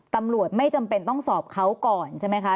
ตำรวจไม่จำเป็นต้องสอบเขาก่อนใช่ไหมคะ